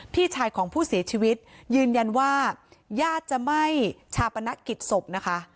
พี่ชายของผู้เสียชีวิตยืนยันว่าญาติจะไม่ชาปนกิจศพนะคะ